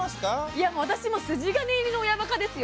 いや私もう筋金入りの親バカですよ。